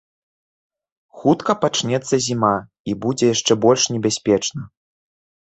Хутка пачнецца зіма, і будзе яшчэ больш небяспечна.